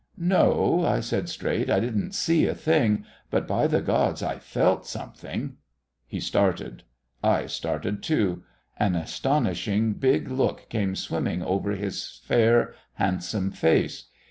"No," I said straight, "I didn't see a thing, but, by the gods, I felt something." He started. I started too. An astonishing big look came swimming over his fair, handsome face.